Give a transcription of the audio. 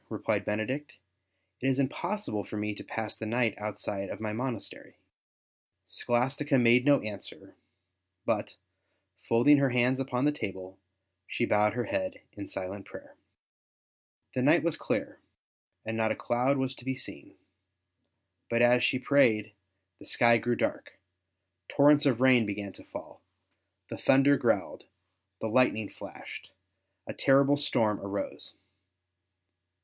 replied Benedict; ''it is impossible for me to pass the night outside of my monastery." Scholastica made no answer, but, folding ST. BENEDICT 105 her hands upon the table, she bowed her head in silent prayer. The night was clear, and not a cloud was to be seen ; but as she prayed the sky grew dark ; torrents of rain began to fall; the thunder growled; the lightning flashed; a terrible storm arose.